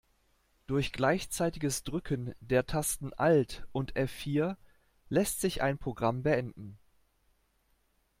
Durch gleichzeitiges Drücken der Tasten Alt und F-vier lässt sich ein Programm beenden.